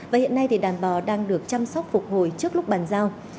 và hiện nay đàn bò đang được chăm sóc phục hồi trước lúc bàn giao